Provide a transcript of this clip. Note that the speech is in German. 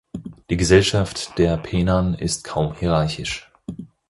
Die Gesellschaft der Penan ist kaum hierarchisch.